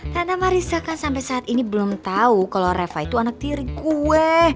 tante marissa kan sampe saat ini belum tau kalo reva itu anak tiri gue